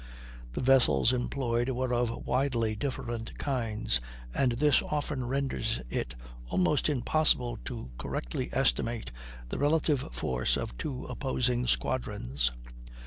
The vessels employed were of widely different kinds, and this often renders it almost impossible to correctly estimate the relative force of two opposing squadrons.